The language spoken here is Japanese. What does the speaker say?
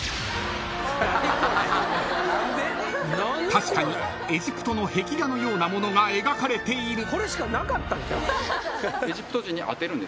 ［確かにエジプトの壁画のようなものが描かれている］